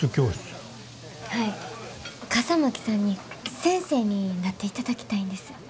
笠巻さんに先生になっていただきたいんです。